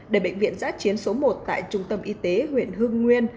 để bệnh viện giã chiến số một tại trung tâm y tế huyện hương nguyên